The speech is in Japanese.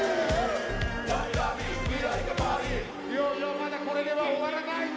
まだこれでは終わらないぜ。